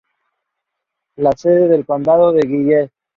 La sede del condado es Gillette.